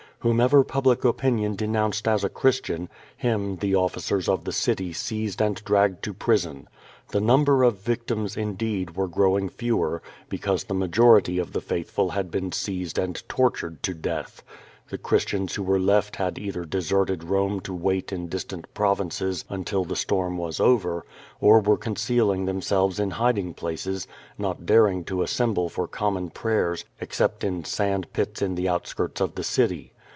Whomever public opinion denounced as a Chris tion, him the officers of the city seized and dragged to prison. The number of victims, indeed, were growing fewer, because the majority of the faithful had been seized and tortured to death. The Christians who were left had either deserted Rome to wait in distant provinces until the storm was over, or were concealing themselves in hiding places, not daring to assemble for common prayers except in sand pits in the out skirts of the city.